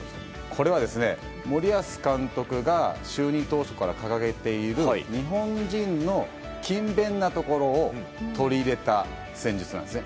これは森保監督が就任当初から掲げている日本人の勤勉なところを取り入れた戦術なんですね。